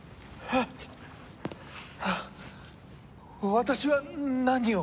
私は何を？